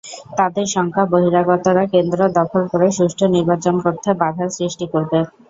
তাঁদের শঙ্কা, বহিরাগতরা কেন্দ্র দখল করে সুষ্ঠু নির্বাচন করতে বাধার সৃষ্টি করবে।